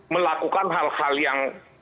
melakukan hal hal yang